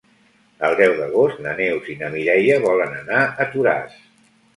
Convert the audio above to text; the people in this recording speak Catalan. El deu d'agost na Neus i na Mireia volen anar a Toràs.